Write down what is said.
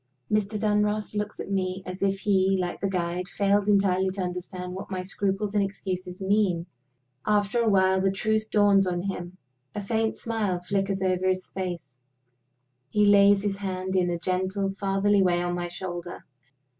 Mr. Dunross looks at me, as if he, like the guide, failed entirely to understand what my scruples and excuses mean. After a while the truth dawns on him. A faint smile flickers over his face; he lays his hand in a gentle, fatherly way on my shoulder.